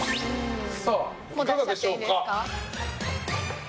さあ、いかがでしょうか？